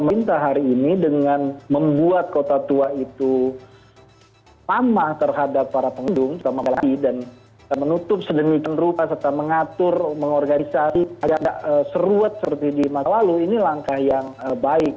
pemerintah hari ini dengan membuat kota tua itu lama terhadap para penghitung dan menutup sedemikian rupa serta mengatur mengorganisasi agak seruat seperti di masa lalu ini langkah yang baik